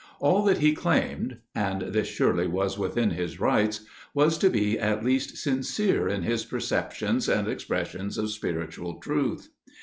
_ _All that he claimed (and this surely was within his rights) was to be at least sincere in his perceptions and expressions of spiritual truth.